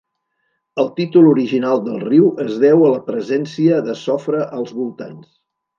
El títol original del riu es deu a la presència de sofre als voltants.